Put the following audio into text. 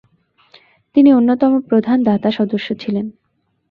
তিনি অন্যতম প্রধান দাতা সদস্য ছিলেন।